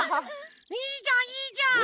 いいじゃんいいじゃん！